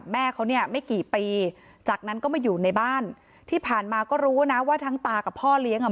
แม่เขาเนี่ยไม่กี่ปีจากนั้นก็มาอยู่ในบ้านที่ผ่านมาก็รู้นะว่าทั้งตากับพ่อเลี้ยงอ่ะ